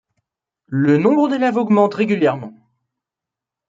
Le nombre d'élèves augmente régulièrement.